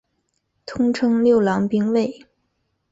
通称六郎兵卫。